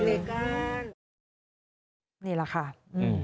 สวัสดีครับ